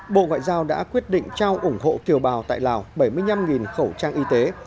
bộ ngoại giao đã quyết định trao ủng hộ kiều bào tại lào bảy mươi năm khẩu trang y tế